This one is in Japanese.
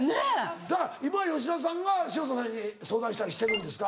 だから今吉田さんが潮田さんに相談したりしてるんですか？